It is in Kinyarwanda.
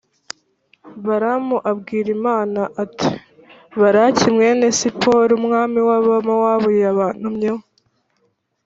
balamu abwira imana, ati «balaki mwene sipori, umwami wa mowabu, yabantumyeho.